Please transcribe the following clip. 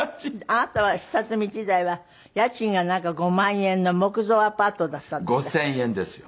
あなたは下積み時代は家賃がなんか５万円の木造アパートだったんですか？